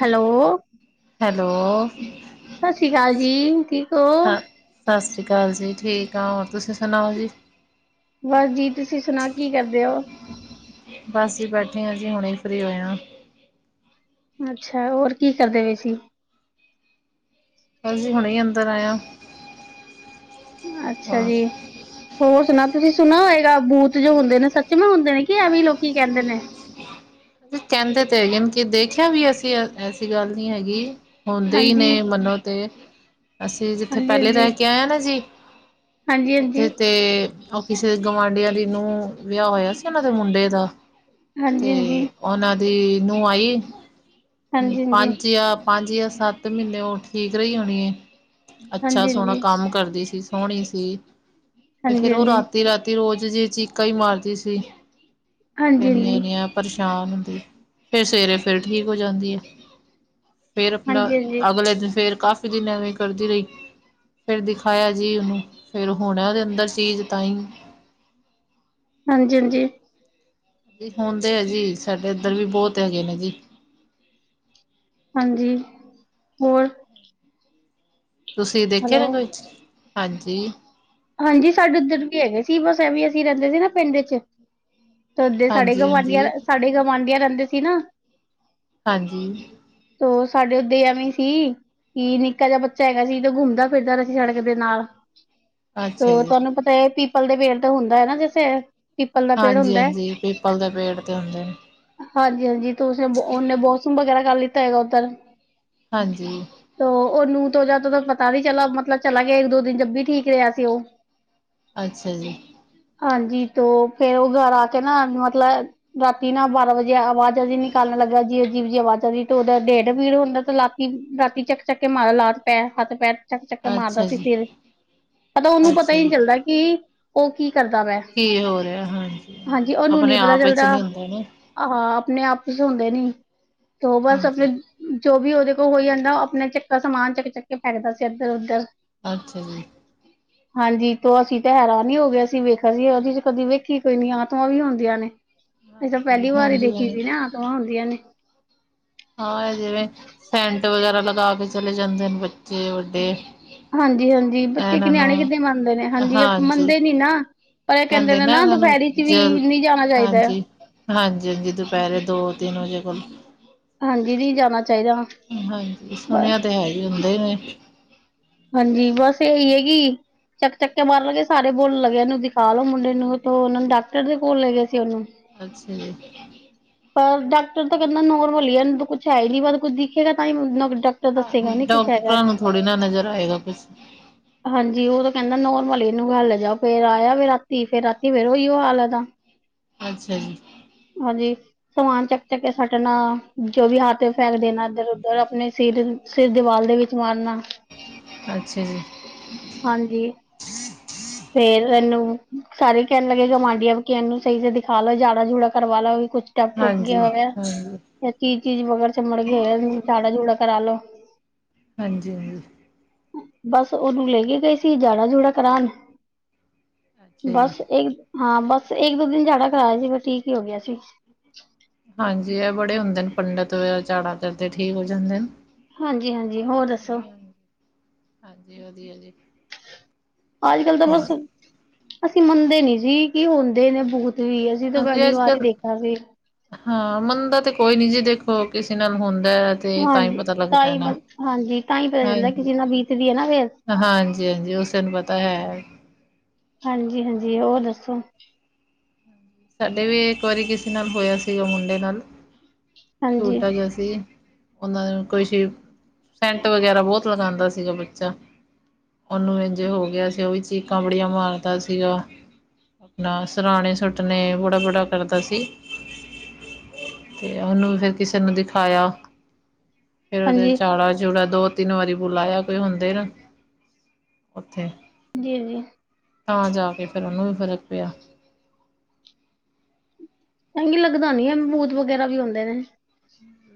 Hello. Hello. ਸਤਿ ਸ੍ਰੀ ਅਕਾਲ ਜੀ ਠੀਕ ਹੋ। ਕੱਲ ਜੀ ਠੀਕ ਆ ਹੋਰ ਤੁਸੀਂ ਸੁਣਾਓ ਜੀ। ਬਸ ਜੀ ਤੁਸੀਂ ਸੁਣਾ ਕੀ ਕਰਦੇ ਹੋ। ਬਸ ਹੀ ਬੈਠੇ ਹ ਅਸੀ ਹੁਣੇ ਫ੍ਰਰੀ ਹੋਏ ਹੈ। ਅੱਛਾ ਹੋਰ ਕੀ ਕਰਦੇ ਪਏ ਸੀ। ਹਾਂਜੀ ਹੁਣੇ ਅੰਦਰ ਆਇਆ। ਅੱਛਾ ਹੋਰ ਜੀ ਹੋਰ ਸੁਣਾ। ਤੁਸੀਂ ਸੁਣ ਹੋਏਗਾ ਬੂਤ ਜੋ ਹੁੰਦੇ ਨੇ ਸੱਚਮ ਹੁੰਦੇ ਨੇ ਕਿ ਐਵੇਂ ਲੋਕੀ ਕਹਿੰਦੇ ਨੇ। ਕਹਿੰਦੇ ਤੇ ਹੈਗੇ ਕਿ ਦੇਖਿਆ ਵੀ ਅਸੀਂ ਐਸੀ ਗੱਲ ਨੀ ਹੈਗੀ। ਹੁੰਦੇ ਹੀ ਨੇ ਹਾਂਜੀ, ਮੰਨੋ ਤੇ, ਅਸੀਂ ਜਿੱਥੇ ਪਹਿਲੇ ਹਾਂਜੀ-ਹਾਂਜੀ, ਰਹਿ ਕੇ ਆਏ ਹ ਨਾ ਜੀ। ਉੱਥੇ ਹਾਂਜੀ-ਹਾਂਜੀ, ਤੇ ਉਹ ਕਿਸੇ ਗਵਢੀਆਂ ਨੂੰ ਵਿਆਹ ਹੋਇਆ ਸੀ। ਉਹਨਾਂ ਦੇ ਮੁੰਡੇ ਦਾ ਹਾਂਜੀ- ਤੇ ਹਾਂਜੀ। ਉਹਨਾਂ ਦੀ ਨੂੰ ਆਈ। ਹਾਂਜੀ-ਹਾਂਜੀ। ਪੰਜ ਜਾਂ ਪੰਜ ਜਾਂ ਸੱਤ ਮਹੀਨੇ ਉਹ ਠੀਕ ਰਹੀ ਹੋਣੀ ਏ। ਅੱਛਾ। ਸੋਹਣਾ ਹਾਂਜੀ-ਹਾਂਜੀ, ਕੰਮ ਕਰਦੀ ਸੀ। ਸੋਹਣੀ ਸੀ। ਤੇ ਫੇਰ ਉਹ ਹਾਂਜੀ-ਹਾਂਜੀ, ਹਾਂਜੀ-ਹਾਂਜੀ, ਹਾਂਜੀ-ਹਾਂਜੀ। ਰਾਤੀ -ਰਾਤੀ ਰੋਜ਼ ਜੇ ਚੀਕਾ ਹੀ ਮਾਰਦੀ ਸੀ। ਹਾਂਜੀ-ਹਾਂਜੀ, ਇਨੀ ਪਰ ਸ਼ਾਮ ਹੁੰਦੀ। ਫਿਰ ਸਵੇਰੇ ਫਿਰ ਠੀਕ ਹੋ ਜਾਂਦੀ ਆ। ਫੇਰ ਹਾਂਜੀ, ਆਪਣਾ ਹਾਂਜੀ ਹਾਂਜੀ ਹਾਂਜੀ ਅਗਲੇ ਦਿਨ ਫੇਰ ਕਾਫੀ ਦਿਨ ਐਵੇਂ ਕਰਦੀ ਰਹੀ। ਫੇਰ ਦਿਖਾਇਆ ਜੀ। ਉਹਨੂੰ ਫੇਰ ਹੋਣ ਉਹਦੇ ਅੰਦਰ ਚੀਜ਼ ਤਾਂ ਹੀ [inaudible] ਹਾਂਜੀ ਹਾਂਜੀ ਹਾਂਜੀ ਹੁਣਦੇ ਆ ਜੀ, ਸਾਡੇ ਇੱਧਰ ਵੀ ਬਹੁਤ ਹੈਗੇ ਨੇ ਜੀ। ਹਾਂਜੀ। ਹੋਰ, ਤੁਸੀਂ ਦੇਖੇ ਹੈਲੋ। ਨਾ ਕੁਝ ਹਾਂਜੀ। ਹਾਂਜੀ। ਸਾਡੇ ਉੱਧਰ ਵੀ ਹੈਗੇ ਸੀ ਬਸ ਇਹ ਵੀ ਅਸੀਂ ਰਹਿੰਦੇ ਸੀ। ਨਾ ਪਿੰਡ ਚ ਦੇ ਸਾਡੇ ਹਾਂਜੀ ਗਵਾਂਢੀਆਂ, ਹਾਂਜੀ ਸਾਡੇ ਗਵਾਂਢੀਆਂ ਰਹਿੰਦੇ ਸੀ ਨਾ ਹਾਂਜੀ। ਤ ਸਾਡੇ ਓਦੇ ਐਵੇਂ ਸੀ। ਕਿ ਨਿੱਕਾ ਜਿਹਾ ਬੱਚਾ ਹੈਗਾ ਸੀ ਤਾਂ ਘੁੰਮਦਾ ਫਿਰਦਾ ਰ ਸੀ। ਸੜਕ ਦੇ ਨਾਲ ਅੱਛਾ ਤੇ ਜੀ ਤੁਹਾਨੂੰ ਪਤਾ ਹੈ ਪੀਪਲ ਦੇ ਪੇੜ ਤਾਂ ਹੁੰਦਾ ਹੈ। ਨਾ ਜਸੇ ਹਾਂਜੀ -ਹਾਂਜੀ ਪੀਪਲ ਦੇ ਪੇੜ ਤੇ ਹੁੰਦੇ ਨੇ। ਹਾਂਜੀ -ਹਾਂਜੀ ਤੇ ਉਸਨ ਉਹਨੇ ਬੋਸਰੂਮ ਵਗੈਰਾ ਕਰ ਲਿੱਤਾ ਹੈਗਾ। ਉੱਧਰ ਹਾਂਜੀ ਤ ਉਹਨੂੰ ਤੋ ਜਾ ਤ ਪਤਾ ਨ ਚਲਾ ਮਤਲਬ ਚਲਾ ਗਿਆ। ਇੱਕ- ਦੋ ਦਿਨ ਜਬ ਠੀਕ ਰਿਹਾ ਸੀ। ਉਹ ਅੱਛਾ ਜੀ। ਹਾਂਜੀ। ਤੋ ਫੇਰ ਉਹ ਘਰ ਆ ਕੇ ਨਾ ਮਤਲਬ ਰਾਤੀ ਨਾ ਬਾਰਾਂ ਵਜੇ ਆਵਾਜ਼ਾਂ ਜੀ ਨਿਕਾਲ [unintelligible] ਜੀ ਅਜੀਬ ਜੀ ਆਵਾਜ਼ ਅਜੀਬ-ਅਜੀਬ ਤੇ ਉਹਦਾ ਟੇਡ ਪੀੜ ਹੁੰਦਾ। ਤੇ ਲਾਤੀ ਰਾਤੀ ਚੱਕ- ਚੱਕ ਕੇ ਮਾਰਾ ਲਾਤਾ ਏ, ਹੱਥ- ਪੈਰ। ਚੱਕ -ਚੱਕ ਮਾਰਦਾ ਅੱਛਾ ਸੀ ਜੀ, ਫਿਰ, ਪਤਾ ਉਹਨੂੰ ਪਤਾ ਅੱਛਾ ਇ ਜੀ। ਨੀ ਚੱਲਦਾ ਕਿ ਉਹ ਕੀ ਕਰਦਾ ਵਾ। ਕੀ ਹੋ ਰਿਹਾ ਹਾਂਜੀ, ਹਾਂਜੀ। ਉਹਨੂੰ ਨੀ ਆਪਣੇ ਪਤਾ ਆਪ ਵਿੱਚ ਚੱਲਦਾ ਨੀ ਹੁੰਦੇ ਨੇ ਆਹਾਂ। ਆਪਣੇ -ਆਪ ਸੌਂਦੇ ਨੀ ਤੋਂ ਬਸ ਹਾਂਜੀ। ਆਪਣੇ ਜੋ ਵੀ ਉਹਦੇ ਉਹ ਹੋਈ ਯਾਂਦਾ। ਉਹ ਆਪਣੇ ਚੱਕਰ ਸਮਾਨ ਚੱਕ ਚੱਕ ਕੇ ਫੈਕਦਾ ਸੀ। ਇਧਰ- ਉੱਧਰ ਅੱਛਾ ਜੀ। ਹਾਂਜੀ ਤੋ ਅਸੀਂ ਤੇ ਹੈਰਾਨ ਈ ਹੋ ਗਏ ਅਸੀਂ ਵੇਖਿਆ ਅਸੀਂ ਤੇ ਕਦੀ ਵੇਖੀ ਕੋਈ ਨੀ ਆਤਮਾ ਵੀ ਹੁੰਦੀਆਂ ਨੇ। ਅਸੀ ਤਾਂ ਹਾਂਜੀ, ਪਹਿਲੀ ਵਾਰ ਈ ਹਾਂਜੀ ਦੇਖੀ ਸੀ ਨਾ ਆਤਮਾਂ ਹੁੰਦੀਆਂ ਨੇ। ਹਾਂ, ਇਹ ਜਿਵੇਂ, ਸੈਂਟ ਵਗੈਰਾ ਲਗਾ ਕੇ ਚਲੇ ਜਾਂਦੇ ਨੇ ਬੱਚੇ, ਵੱਡੇ ਹਾਂਜੀ -ਹਾਂਜੀ ਬੱਚੇ ਇਹਨਾਂ ਕੀ ਨੂੰ ਨਿਆਣੇ ਕਿੱਦੇ ਮੰਨਦੇ ਨੇ ਹਾਂਜੀ। ਮੰਨਦੇ ਨੀ ਨਾ ਪਰ ਇਹ ਕਹਿੰਦੇ ਨੇ ਨਾ ਦੁਪਹਿਰੀ ਚ' ਵੀ ਨੀ ਜਾਣਾ ਚਾਈਦਾ। ਹਾਂਜੀ-ਹਾਂਜੀ ਦੁਪਹਿਰੇ ਦੋ- ਤਿੰਨ ਵਜੇ ਕੋਲ ਹਾਂਜੀ। ਨੀ ਜਾਣਾ ਚਾਹੀਦਾ ਹਾਂਜੀ। ਸੁਣਿਆ ਤੇ ਹੈ ਈ, ਹੁੰਦੇ ਨੇ। ਹਾਂਜੀ। ਬਸ ਇਹੀ ਏ ਕੀ ਚੱਕ-ਚੱਕ ਕੇ ਮਾਰ ਲੱਗੇ ਸਾਰੇ ਬੋਲ ਲੱਗੇ ਇਹਨੂੰ ਦਿਖਾ ਲੋਓ ਮੁੰਡੇ ਨੂੰ ਉਹਨਾਂ ਨੂੰ ਡਾਕਟਰ ਦੇ ਕੋਲ ਲੈ ਗਏ ਸੀ। ਉਹਨੂੰ ਅੱਛਾ ਜੀ। ਡਾਕਟਰ ਤਾਂ ਕਹਿੰਦਾ ਨੋਰਮਲ ਹੀ ਏ ਇਹਨੂੰ ਤਾ ਕੁੱਛ ਹੈ ਈ ਨੀ। ਕੁਛ ਦਿਖੇਗਾ ਤਾਂ ਹੀ ਡਾਕਟਰ ਦੱਸੇਗਾ ਨੀ ਕੁਛ ਹੈਗਾ। ਡਾਕਟਰਾਂ ਨੂੰ ਥੋੜ੍ਹੀ ਨਾ ਨਜ਼ਰ ਆਏਗਾ ਕੁਛ ਹਾਂਜੀ ਉਹ ਤਾਂ ਕਹਿੰਦਾ ਨੋਰ [unintelligible] ਜਾਓ ਫੇਰ ਆਇਆ ਵੇ ਰਾਤੀ ਫੇਰ ਰਾਤੀ ਫੇਰ ਉਹੀਓ ਹਾਲ ਏਦਾ ਅੱਛਾ ਜੀ। ਸਮਾਨ ਚੱਕ- ਚੱਕ ਕੇ ਸਟਨਾ। ਜੋ ਵੀ ਹੱਥ ਫੈਕ ਦੇਣਾ ਇੱਧਰ- ਉੱਧਰ। ਆਪਣੇ ਸਿਰ-ਸਿਰ ਦੀਵਾਰ ਗਲੀ ਵਿੱਚ ਦੇ ਵਿੱਚ ਮਾਰਨਾ। ਅੱਛਾ ਜੀ। ਹਾਂਜੀ, ਫੇਰ ਇਹਨੂੰ ਸਾਰੇ ਕਹਿਣ ਲੱਗੇ [unintelligible] [unintelligible] ਨੂੰ ਸਹੀ ਸ ਦਿਖਾ ਲਓ ਜਾੜਾ ਜੂੜਾ ਕਰਵਾ ਲੋ ਵੀ ਕੁਛ ਟਪ ਟੁਪ ਹਾਂਜੀ, ਗਿਆ ਹੋਇਆ ਹਾਂਜੀ, ਯ ਚੀਜ਼-ਚੀਜ਼ ਵਗਰ ਚਿੰਮੜਗੀ ਏ ਜਾੜਾ ਜੂੜਾ ਕਰਾ ਲੋੋ ਹਾਂਜੀ ਹਾਂ। ਬਸ ਉਹਨੂੰ ਲੈ ਕੇ ਗਏ ਸੀ ਜਾੜਾ ਜੂੜਾ ਕਰਾਨ ਅੱਛਾ ਬਸ ਜੀ, ਇੱਕ ਹਾਂ ਬਸ ਇੱਕ ਦੋ ਦਿਨ ਜਾੜਾ ਕਰਾਇਆ ਸੀ ਬ ਠੀਕ ਇ ਹੋ ਗਿਆ ਸੀ। ਹਾਂਜੀ ਇਹ ਬੜੇ ਹੁੰਦੇ ਨੇ ਪੰਡਿਤ ਵ ਜਾੜਾ ਕਰਦੇ ਠੀਕ ਹੋ ਜਾਂਦਾ ਏ ਨਾ। ਹਾਂਜੀ ਹਾਂਜੀ ਹੋਰ ਦੱਸੋ ਹਾਂਜੀ ਵਧੀਆ ਜੀ। ਅੱਜ ਕੱਲ ਤਾਂ ਹੋਰ ਬਸ ਅਸੀਂ ਮੰਨਦੇ ਨੀ ਜੀ ਕਿ ਹੁੰਦੇ ਨੇ ਬਹੁਤ ਹਾਂਜੀ ਅੱਜ ਕੱਲ ਹਾਂ ਮੰਨਦਾ ਤੇ ਕੋਈ ਨੀ ਜੇ ਦੇਖੋ ਕਿਸੇ ਨਾਲ ਹੁੰ [unintelligible] ਤੇ ਤਾਈ ਹਾਂਜੀ ਪਤਾ ਤਾਂ ਲੱਗਦਾ ਐ ਹੀ ਨਾ ਹਾਂਜੀ ਤਾਂ ਹੀ ਪਤਾ ਹ ਚੱਲਦਾ ਕਿਸੇ ਨਾਲ ਬੀਤਦੀ ਹੈ ਨਾ ਫੇਰ ਹਾਂਜੀ-ਹਾਂਜੀ ਓਸੇਨੂੰ ਪਤਾ ਹੈ। ਹਾਂਜੀ-ਹਾਂਜੀ ਉਹ ਦੱਸੋ ਸਾਡੇ ਵੀ ਇੱਕ ਵਾਰੀ ਕਿਸੇ ਨਾਲ ਹੋਇਆ ਸੀਗਾ ਮੁੰਡੇ ਨਾਲ ਹਾਂਜੀ ਛੁੱਟਾ ਜਿਆ ਸੀ। ਉਹਨਾਂ ਨੂੰ ਕੋਈ [unintelligible] ਸੇਂਟ ਵਗੈਰਾ ਬਹੁਤ ਲਗਾਂਦਾ ਸੀਗਾ ਬੱਚਾ ਉਹਨੂੰ ਇੰਝੇ ਹੋ ਗਿਆ ਸੀ ਉਹ ਵੀ ਚੀਕਾਂ ਬੜੀਆਂ ਮਾਰਦਾ ਸੀਗਾ। ਆਪਣਾ ਸਰਾਣੇ ਸੁੱਟਣੇ ਬੜਾ-ਬੜਾ ਕਰਦਾ ਸੀ। ਤੇ ਉਹਨੂੰ ਵੀ ਫੇਿਰ ਕਿਸੇ ਨੂੰ ਦਿਖਾਇਆ ਫੇਰ ਉਹਦੇ ਹਾਂਜੀ ਚਾੜਾ ਚੂੜਾ ਦੋ ਤਿੰਨ ਵਾਰੀ ਬੁਲਾਇਆ ਕੋਈ ਹੁੰਦੇ ਨਾ ਓਥੇ [unintelligible] ਤਾਂ ਜਾ ਕੇ ਫੇਿਰ ਉਹਨੂੰ ਵੀ ਫ਼ਰਕ ਪਿਆ। [unintelligible] ਲੱਗਦਾ ਨੀ ਐ ਬੂਤ ਵਗੈਰਾ ਵੀ ਹੁੰਦੇ ਨੇ।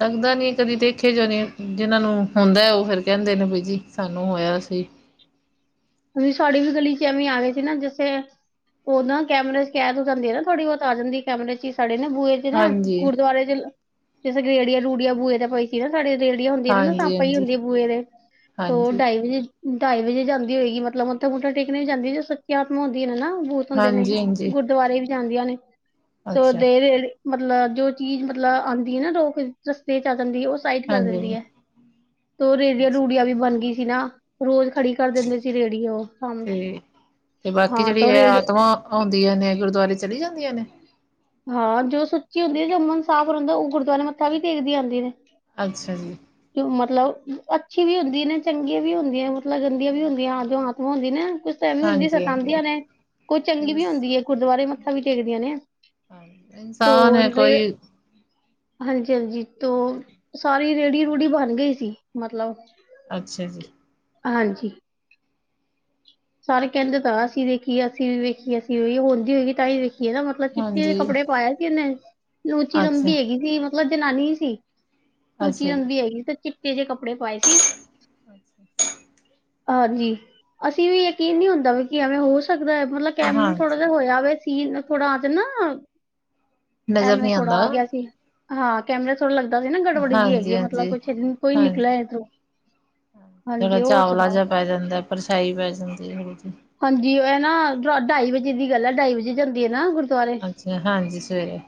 ਲੱਗਦਾ ਨੀ ਕਦੀ ਦੇਖੇ ਜੋ ਨੀ ਜਿਹਨਾਂ ਨੂੰ ਹੁੰਦਾ ਉਹ ਫਿਰ ਕਹਿੰਦੇ ਨੇ ਬੀ ਜੀ ਸਾਨੂੰ ਹੋਇਆ [unintelligible] [unintelligible] ਸਾਡੀ ਵੀ ਗਲੀ ਚ ਐਵੇਂ ਆ ਗੇ ਸੀ ਨਾ ਜੈਸੇ ਉਹ ਨਾ ਕੈਮਰੇ ਚ ਕੈਦ ਹੋ ਜਾਂਦੀ ਹੈ ਨਾ ਥੋੜੀ ਬਹੁਤ ਆ ਜਾਂਦੀ ਕੈਮਰੇ ਚ ਹੀ ਸਾਡੇ ਨਾ ਬੂਹੇ ਚ ਨਾ ਹਾਂਜੀ ਗੁਰਦੁਆਰੇ ਚ ਸੰਗਰੇੜਆ ਰੂੜੀਆ ਬੂਹੇ ਤੇ ਪਈ ਸੀ ਨਾ ਸਾਡੇ ਰੇਹੜੀਆਂ ਹੁੰਦੀਆਂ ਨਾ ਹਾਂਜੀ ਸਪ ਹੀ ਹਾਂਜੀ ਹੁੰਦੀਆਂ ਬੂਹੇ ਦੇ ਤੇ ਉਹ ਹਾਂਜੀ ਢਾਈ ਵਜੇ ਢਾਈ ਵਜੇ ਜਾਂਦੇ ਹੋਏਗੀ ਮਤਲਬ ਮੱਥਾ ਮੱਥਾ ਟੇਕ ਜਾਂਦੀ ਜੋ ਸਖਿਆਤਮ ਹੁੰਦੀਆਂ ਨੇ ਹਨ ਨਾ ਬਹੁਤ ਹੁੰਦੇ ਨੇ ਹਾਂਜੀ ਹਾਂਜੀ ਗੁਰਦੁਆਰੇ ਵਿੱਚ ਜਾਂਦੀਆਂ ਨੇ ਤੇ ਅੱਛਾ ਦੇ ਮਤਲਬ ਜੋ ਚੀਜ਼ ਮਤਲਬ ਆਉਂਦੀ ਹੈ ਨਾ ਲੋਕ ਰਸਤੇ ਚ ਦਿੰਦੀ ਉਹ ਸਾਈਡ ਕਰ ਹਾਂਜੀ ਦਿੰਦੀ ਹਾਂਜੀ ਹੈ ਤੇ ਰੇੜੀਆਂ ਅੱਛਾ ਰੂੜੀਆਂ ਵੀ ਬਣ ਗਈ ਸੀ ਨਾ ਰੋਜ਼ ਖੜੀ ਕਰ ਦਿੰਦੇ ਸੀ ਰੇਹੜੀਓ ਸਮ ਤੇ ਤੇ ਬਾਕੀ ਹਾਂ ਜਿਹੜੀ ਤੇ ਉਹ ਇਹ ਰੇੜ ਆਤਮਾ ਆਉਂਦੀਆਂ ਨੇ ਗੁਰਦੁਆਰੇ ਚਲੀ ਜਾਂਦੀਆਂ ਨੇ ਹਾਂ ਜੋ ਸੁੱਚੀ ਹੁੰਦੀ ਹੈ ਜਮਨ ਸਾਫ਼ ਰਹਦਾ ਉਹ ਗੁਰਦੁਆਰੇ ਮੱਥਾ ਵੀ ਦੇਖਦੀ ਆਉਂਦੀ ਨੇ ਅੱਛਾ ਜੀ ਕਿ ਮਤਲਬ ਅੱਛੀ ਵੀ ਹੁੰਦੀ ਨੇ ਚੰਗੀਆਂ ਵੀ ਹੁੰਦੀਆਂ ਮਤਲਬ ਗੰਦੀਆਂ ਵੀ ਹੁੰਦੀਆਂ ਆ ਜੋ ਆਤਮਾ ਹੁੰਦੀ ਨੇ ਨਾ ਕੁਛ ਐਵੇ ਹੁੰਦੀ ਹਾਂਜੀ ਹਾਂਜੀ ਸਤਾਉਂਦੀਆਂ ਨੇ ਕੋਈ ਚੰਗੀ ਵੀ ਹੁੰਦੀ ਹੈ ਗੁਰਦੁਆਰੇ ਮੱਥਾ ਵੀ ਟੇਕਦੀਆਂ ਨੇ ਤੋ ਇਨਸਾਨ ਹੈ ਰੇ ਕੋਈ ਹਾਂਜੀ ਹਾਂਜੀ ਤੋ ਸਾਰੀ ਰੇਹੜੀ ਰੂਹੜੀ ਬਣ ਗਈ ਸੀ ਮਤਲਬ ਅੱਛਾ ਜੀ ਹਾਂਜੀ ਸਾਰੇ ਕਹਿੰਦੇ ਤਾ ਅਸੀਂ ਦੇਖੀਏ ਅਸੀਂ ਵੀ ਵੇਖੀ ਅਸੀਂ ਵੀ ਵੇਖੀਏ ਹੁੰਦੀ ਹੋਏਗੀ ਤਾਂਹੀ ਵੇਖੀ ਮਤਲਬ ਚਿੱਟੇ ਦੇ ਹਾਂਜੀ ਕੱਪੜੇ ਪਾਇਆ ਸੀ ਉਹਨੇ ਲੂਚੀ ਅੱਛਾ ਲੰਬੀ ਹੈਗੀ ਸੀ ਮਤਲਬ ਜਨਾਨੀ ਸੀ ਅੱਛਾ ਉਚੀ ਜੀ ਹੁੰਦੀ ਹੈਗੀ ਤੇ ਚਿੱਟੇ ਜਿਹੇ ਕੱਪੜੇ ਪਾਏ ਸੀ ਹਾਂਜੀ ਅਸੀਂ ਵੀ ਯਕੀਨ ਨਹੀਂ ਹੁੰਦਾ ਵੀ ਕਿ ਐਵੇਂ ਹੋ ਸਕਦਾ ਹੈ ਮਤਲਬ ਕਿਵੇ ਥੋੜਾ ਹਾਂਜੀ ਜਿਹਾ ਹੋਇਆ ਵਵੇ ਸੀ ਥੋੜਾ ਆ ਜਾਂਦਾ ਨਜ਼ਰ ਐਮ ਨਹੀਂ ਥੋੜਾ ਆਉਂਦਾ ਆ ਗਿਆ ਸੀ ਹਾਂ ਕੈਮਰਾ ਥੋੜ ਲੱਗਦਾ ਸੀ ਨਾ ਗੜਬੜੀ ਜੀ ਹੈਗੀ ਹਾਂਜੀ ਆ ਮਤਲਬ ਹਾਂਜੀ ਕੁੱਛ ਦਿਨ ਕੋਈ ਨਿਕਲਿਆ ਏਧਰੋਂ ਥੋੜਾ ਚਾਵਲਾ ਜਿਹਾ ਪੈ ਜਾਂਦਾ ਪਰਛਾਈ ਪੈ ਜਾਂਦੀ ਹਾਂਜੀ, ਨਾ ਢਾਈ ਵਜੇ ਦੀ ਗੱਲ ਹੈ ਢਾਈ ਵਜੇ ਜਾਂਦੀ ਹੈ ਨਾ ਗੁਰ। ਗੁਰਦੁਆਰੇ ਅੱਛਾ ਹਾਂਜੀ ਸਵੇਰੇ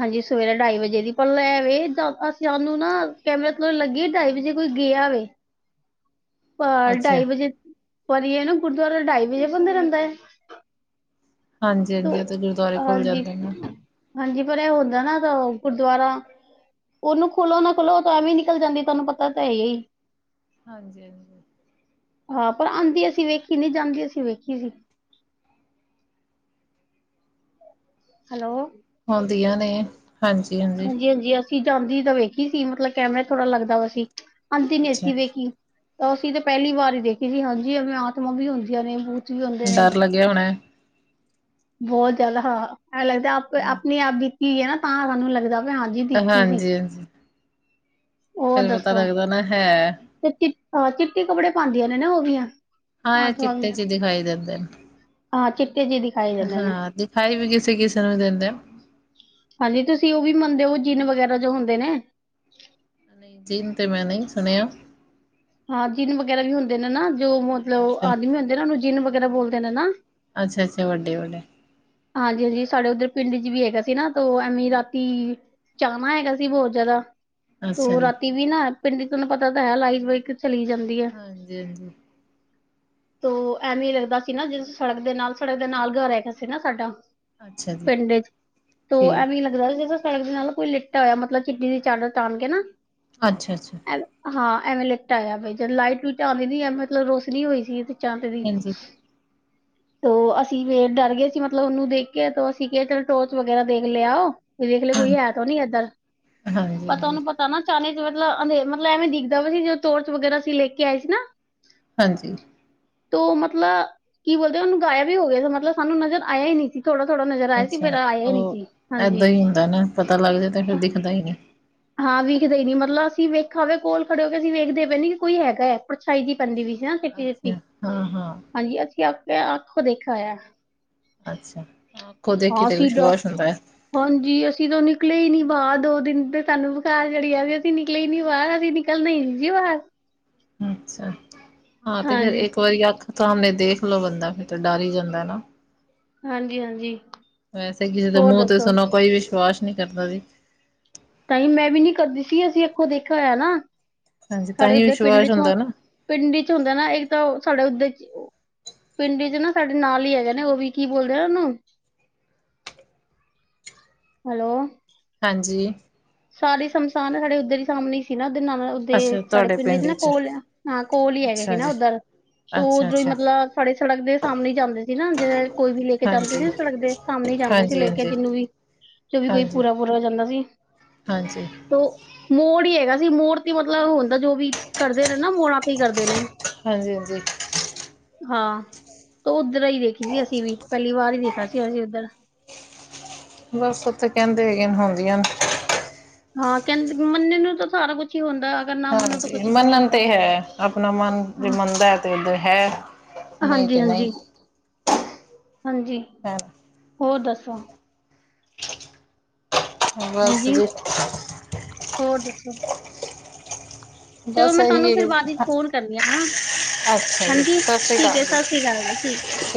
ਹਾਂਜੀ ਸਵੇਰੇ ਢਾਈ ਵਜੇ। ਜੇ ਦੀ ਪਰ ਲੈਵੇ ਸਾਨੂੰ ਨਾ ਕੈਮਰੇ ਤੋਂ ਲੱਗੀ ਢਾਈ ਵਜੇ ਕੋਈ ਗਿਆ। [unintelligible] ਅਹ ਅੱਛਾ ਢਾਈ ਵਜੇ ਵਾਰੀ ਹੈ ਨਾ ਗੁਰਦੁਆਰਾ ਢਾਈ ਵਜੇ ਬੰਦ ਰਹਿੰਦਾ ਹੈ। ਹਾਂਜੀ ਤ ਹਾਂਜੀ ਉਹ ਤੇ ਗੁਰਦੁਆਰੇ ਕੋਲ ਹਾਂਜੀ ਜਾਂਦੇ ਨਾ ਹਾਂਜੀ। ਬੜ ਹੁੰਦਾ ਨਾ ਗੁਰਦੁਆਰਾ। ਉਹਨੂੰ ਖੁਲੋ ਨਾ ਖੁੱਲੋ ਉਹ ਤਾਂ ਐਵੇਂ ਨਿਕਲ ਜਾਂਦੀ ਤੁਹਾਨੂੰ ਪਤਾ ਤਾਂ ਹੈ ਹੀ। ਹਾਂਜੀ ਹਾਂਜੀ। ਹਾਂ ਪਰ ਆਉਂਦੀ ਅਸੀਂ ਵੇਖੀ ਨਹੀਂ ਜਾਂਦੀ ਅਸੀਂ ਵੇਖੀ ਸੀ। ਹੈਲੋ। ਹੁੰਦੀਆਂ ਹਾਂਜੀ ਹਾਂਜੀ। ਚੀਜ਼ ਆਉਂਦੀ ਤਾਂ ਵੇਖੀ ਸੀ ਮਤਲਬ ਕੈਮਰਾ ਥੋੜਾ ਲੱਗਦਾ ਵਾ ਸੀ ਆਂਦੀ ਨਹੀਂ ਅੱਛਾ, ਸੀ ਵੇਖੀ। ਅਸੀਂ ਤਾਂ ਪਹਿਲੀ ਵਾਰ ਹੀ ਦੇਖੀ ਸੀ ਹਾਂਜੀ ਐਵੇਂ ਆਤਮਾ ਵੀ ਹੁੰਦੀਆਂ ਨੇ ਬ। ਡਰ ਲੱਗਿਆ ਹੋਣਾ। ਬਹੁਤ ਜ਼ਿਆਦਾ ਹਾਂ ਐਂ ਲੱਗਦਾ ਆਪ ਹਾਂਜੀ, ਆਪਣੇ ਆਪ ਬੀਤੀ ਹੈ ਨਾ ਤਾਂ ਸਾਨੂੰ ਲੱਗਦਾ। ਮੈਂ ਅੱਜ ਹੀ ਦੇਖੀ ਸੀ। ਹਾਂਜੀ ਹੋਰ ਫੇਰ ਪਤਾ ਦੱਸੋ ਲੱਗਦਾ ਨਾ ਹੈ। ਤੇ ਚ ਚਿੱਟੇ ਕੱਪੜੇ ਪਾਉਂਦੀਆਂ ਨੇ ਨਾ ਉਹ ਵੀ। ਹਾਂ ਆਤਮਾ ਵੀ ਚਿੱਟੇ ਚ ਦਿਖਾਈ ਦਿੰਦੇ ਨੇ। ਹਾਂ ਚਿੱਟੇ ਜਿਹੇ ਦਿਖਾਈ ਦਿੰਦੇ ਨੇ ਹਾਂ ਦਿਖਾਈ ਵੀ ਕਿਸੇ ਕਿਸੇ ਨੂੰ ਦਿੰਦੇ। ਹਾਂਜੀ ਤੁਸੀਂ ਉਹ ਵੀ ਮੰਨਦੇ ਹੋ ਜਿਨ ਵਗੈਰਾ ਜੋ ਹੁੰਦੇ ਨੇ। ਨਹੀਂ ਜੀਨ ਤਾਂ ਮੈਂ ਨਹੀਂ ਸੁਣਿਆ। ਹਾਂ ਜਿੰਨ ਵਗੈਰਾ ਵੀ ਹੁੰਦੇ ਨੇ ਨਾ ਜੋ ਮਤਲਬ ਅੱਛਾ, ਆਦਮੀ ਹੁੰਦੇ ਨਾ ਉਹਨੂੰ ਜਿੰਨ ਵਗੈਰਾ ਬੋਲਦੇ ਨੇ ਨਾ। ਅੱਛਾ ਅੱਛਾ ਵੱਡੇ ਵੱਡੇ। ਹਾਂਜੀ ਹਾਂਜੀ ਸਾਡੇ ਉੱਧਰ ਪਿੰਡ ਚ ਵੀ ਹੈਗਾ ਸੀ ਨਾ ਤ ਐਵੇਂ ਰਾਤੀ। ਚਾਹਣਾ ਹੈਗਾ ਸੀ ਬਹੁਤ ਜਰਾ ਅੱਛਾ ਤ ਜੀ। ਰਾਤੀ ਵੀ ਨਾ ਪਿੰਡ ਤੈਨੂੰ ਪਤਾ ਤਾਂ ਹੈ ਲਾਈ। ਹਾਂਜੀ ਹਾਂਜੀ। ਤੋਂ ਐਵੇਂ ਲੱਗਦਾ ਸੀ ਨਾ ਜਿਸ ਸੜਕ ਦੇ ਨਾਲ ਸੜਕ ਦੇ ਨਾਲ ਘਰ ਸੀ ਨਾ ਸਾਡਾ। ਅੱਛਾ ਜੀ ਪਿੰਡ ਚ ਤ ਠੀਕ ਐਵੇਂ ਲੱਗਦਾ ਸੀ ਜ। ਸੜਕ ਦੇ ਨਾਲ ਕੋਈ ਲਿਟਾ ਹੋਇਆ ਮਤਲਬ ਚਿੱਡੀ ਦੀ ਚਾਦਰ ਤਾਣ ਕੇ ਨਾ ਅੱਛਾ, ਅੱਛਾ ਹਾਂ। ਐਵੇਂ ਲਿਟ ਆਇਆ ਪ ਜਦ ਲਾਈਟ ਲਟ ਆਉਂਦੀ ਨ ਮਤਲਬ ਰੋਸ਼ਨੀ ਹੋਈ ਸੀ ਚੰਦ ਦੀ। ਹਾਂਜੀ। ਹਾਂਜੀ, ਤੋਂ ਅਸੀਂ ਫੇ ਡਰ ਗਏ ਸੀ ਮਤਲਬ ਉਹਨੂੰ ਦੇਖ ਕੇ ਅਸੀਂ ਕਿਹਾ ਚਲ ਟੋਰਚ ਵਗੈਰਾ ਦੇਖ ਲਿਆਓ। ਦੇੇਖ ਲ ਕੋਈ ਹੈ ਤਾਂ ਨੀ ਇਧਰ ਹਾਂਜੀ, ਹਾਂਜੀ, ਪਰ ਤੂ ਉਹਨੂੰ ਪਤਾ ਨਾ ਚਣੇ। ਮਤਲਬ ਮਤਲਬ ਐਵੇਂ ਦੇਖਦਾ ਵਾ ਸੀ ਜਦੋਂ ਟੌਰਚ ਵਗੈਰਾ ਲੈ ਕੇ ਆਏ ਸੀ ਨਾ। ਹਾਂਜੀ। ਤੋਂ ਮਤਲਬ ਕੀ ਬੋਲਦੇ ਉਹਨੂੰ ਗਾਇਆ ਵੀ ਹੋ ਗਿਆ ਸੀ ਮਤਲਬ ਸਾਨੂੰ ਨਜ਼ਰ ਆਇਆ ਹੀ ਨਹੀਂ ਸੀ। ਥੋੜਾ ਥੋੜਾ ਨਜ਼ਰ ਆਇਆ ਸੀ ਫਿਰ ਅੱਛਾ ਆਇਆ ਹੀ ਨਹੀਂ ਉਹ ਸੀ ਏਦਾਂ ਹਾਂਜੀ। ਹੀ ਹੁੰਦਾ ਨਾ ਪਤਾ ਲੱਗ ਜਾ ਤੇ ਫਿਰ ਦਿਖਦਾ ਹੀ ਨਹੀਂ। ਹਾਂ ਵੇਖਦੇ ਹੀ ਨੀ ਮਤਲਬ ਅਸੀਂ ਵੇਖਾਵੇ ਕੋਲ ਖੜੇ ਹੋ ਕੇ ਅਸੀਂ ਵੇਖਦੇ ਪਏਦੇ ਕਿ ਕੋਈ ਹੈਗਾ ਹੈਏ ਪਰਛਾਈ ਦੀ ਪੈਂਦੀ ਵੀ। ਨਾ ਚਿੱਟੀ ਚਿੱਟੀ ਅੱਛਾ, ਹਾਂ, ਹਾਂ ਹਾਂਜੀ ਅਸੀਂ ਆਪ ਕੇ ਅੱਖ ਦੇਖਿਆ ਹੋਆ। ਅੱਛਾ ਅੱਖੋਂ ਦੇਖੀ ਹਾਂ ਤੇ ਸੀਡਾ ਵਿਸ਼ਵਾਸ ਹੁੰਦਾ ਹੈ ਹਾਂਜੀ ਅਸੀਂ ਤਾਂ ਨਿਕਲੇ ਹੀ ਨਹੀਂ। ਬਾਹਰ ਦੋ ਦਿਨ ਤੇ ਸਾਨੂੰ ਬਖਾਰ ਚੜੀ ਆ ਵੀ ਅਸੀਂ ਨਿਕਲੇ ਨੀ ਬਾਹਰ ਅਸੀਂ ਨਿਕਲਣਾ ਸੀ ਬਾਹਰ। ਅੱਛਾ ਜੀ। ਹਾਂ ਤੇ ਫਿਰ ਹਾਂਜੀ ਇੱਕ ਵਾਰੀ ਅੱਖ ਸਾਹਮਣੇ ਦੇਖ ਲਓ ਬੰਦਾ ਫਿਰ ਤਾਂ ਡਰ ਹੀ ਜਾਂਦਾ ਨਾ। ਹਾਂਜੀ ਹਾਂਜੀ। ਵੈਸੇ ਕਿਸੇ ਦੇ ਹੋਰ ਮੂੰਹ ਤੇ ਦੱਸੋ ਸੁਣੋ ਕੋਈ ਵਿਸ਼ਵਾਸ ਨਹੀਂ ਕਰਦਾ ਵੀ ਤਾਂਹੀ ਮੈਂ ਵੀ ਨੀ ਕਰਦੀ ਸੀ ਅਸੀਂ ਅੱਖੋ ਦੇਖਿਆ ਹੋਇਆ ਨਾ। ਹਾਂਜੀ ਤਾਂ ਸਾਡੇ ਹੀ ਉੱਧਰ ਪਿੰਡ ਵਿਸ਼ਵਾਸ ਚ ਹੁੰਦਾ ਨਾ ਪਿੰਡ ਚ ਹੁੰਦਾ ਨਾ ਇੱਕ ਤਾਂ ਸਾਡੇ ਉੱਧਰ। ਪਿੰਡ ਚ ਨਾ ਸਾਡੇ ਨਾਲ ਹੀ ਹੈਗੇ ਨੇ ਉਹ ਵੀ ਕੀ ਬੋਲਦੇ ਆ ਉਹਨੂੰ। [unintelligible] ਹੈਲੋ, ਹਾਂਜੀ। ਸਾਰੇ ਸਮਸ਼ਨ ਸਾਡੇ ਉੱਧਰ ਹੀ ਸਾਹਮਣੇ ਹੀ ਸੀ ਨਾ। ਦੇ ਨਾਲ ਉਦੇ, ਅੱਛਾ ਸਾਡੇ ਤੁਹਾਡੇ ਪਿੰਡ ਚ ਨਾ ਵਿੱਚ ਕੋਲ ਹਾਂ। ਕੋਲ ਹੀ ਹੈਗੇ ਸੀ ਅੱਛਾ ਨਾ ਜੀ ਉੱਧਰ ਤੇ ਅੱਛਾ ਉਦੋਂ ਹੀ ਅੱਛਾ ਮਤਲਬ ਸਾੇ ਸੜਕ ਦੇ ਸਾਹਮਣੇ ਹੀ ਜਾਂਦੇ ਸੀ। ਨਾ ਜਿ ਕੋਈ ਵੀ ਲੈ ਕੇ ਜਾਂਦੇ ਹਾਂਜੀ ਸੀ ਸੜਕ ਦੇ ਸਾਹਮਣੇ ਜਾਂਦੇ ਸੀ ਹਾਂਜੀ ਲੈ ਕੇ ਹਾਂਜੀ ਜਿਨੂੰ ਵੀ। ਜੋ ਵੀ ਕੋਈ ਹਾਂਜੀ ਪੂਰਾ- ਪੂਰਾ ਹੋ ਜਾਂਦਾ ਸੀ। ਹਾਂਜੀ ਉਹ, ਮੋੜ ਹੈਗਾ ਸੀ ਮੋੜ ਤੇ ਮਤਲਬ ਹੁੰਦਾ ਜੋ ਵੀ, ਕਰਦੇ ਨੇ ਨਾ ਮੋੜਾਂ ਤੇ ਹੀ ਕਰਦੇ ਨੇ। ਹਾਂਜੀ -ਹਾਂਜੀ। ਹਾਂ। ਤ ਉੱਧਰ ਹੀ ਦੇਖੀ ਸੀ। ਅਸੀਂ ਵੀ ਪਹਿਲੀ ਵਾਰ ਹੀ ਦੇਖਾ ਸੀ। ਅਸੀਂ ਉੱਧਰ ਬਸ ਉਓਥੇ ਕਹਿੰਦੇ ਹੈਗੇ ਹੁੰਦੀਆਂ ਨੇ। ਹਾਂ। ਕਹਿੰਦੇ ਮੰਨੇ ਨੂੰ ਤਾਂ ਸਾਰਾ ਕੁਛ ਹੀ ਹੁੰਦਾ। ਅਗਰ ਨਾ ਮੰਨੋ ਤਾਂ ਹਾਂਜੀ। ਕੁਛ ਵੀ ਨਹੀਂ ਮੰਨਣ ਹੈਗਾ ਤੇ ਹੈ। ਆਪਣਾ ਮਨ ਜੇ ਹਾਂ, ਮੰਨਦਾ ਹੈ। ਤੇ ੳਧਰ ਹੈ। ਨਹੀਂ ਹਾਂਜੀ ਤੇ ਨਹੀਂ। ਹਾਂਜੀ ਹਾਂਜੀ। ਹੈ ਹੋਰ ਦੱਸੋ। ਅ [unintelligible] ਬਸ ਹਾਂਜੀ ਵੀ ਹੋਰ ਦੱਸੋ ਚਲੋ ਮੈਂ ਤੁਹਾਨੂੰ ਫਿਰ ਬਾਅਦ ਵਿੱਚ ਫ਼ੋਨ ਕਰਦੀ ਹਾਂ। ਹਨਾ। ਅੱਛਾ ਹਨਾਂ ਜੀ। ਸਤਿ ਸ਼੍ਰੀ ਠੀਕ ਹੈ, ਅਕਾਲ ਜੀ ਸਤਿ ਸ੍ਰੀ ਅਕਾਲ ਜੀ। ਠੀਕ ਹੈ ਜੀ।